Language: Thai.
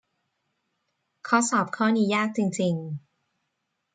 ข้อสอบข้อนี้ยากจริง ๆ